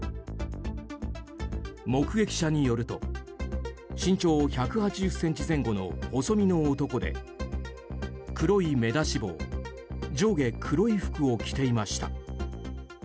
目撃者によると身長１８０ｃｍ前後の細身の男で黒い目出し帽上下黒い服を着ていました。